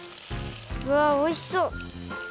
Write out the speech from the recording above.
うわおいしそう！